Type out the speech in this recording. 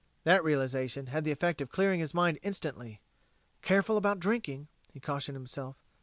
That realization had the effect of clearing his mind instantly. "Careful about drinking," he cautioned himself.